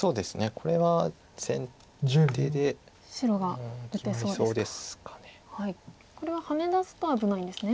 これはハネ出すと危ないんですね。